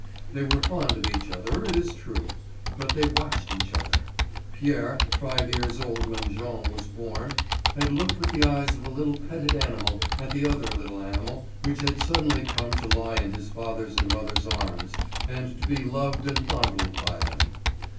They were fond of each other, it is true, but they watched each other. Pierre, five years old when Jean was born, had looked with the eyes of a little petted animal at that other little animal which had suddenly come to lie in his father's and mother's arms and to be loved and fondled by them.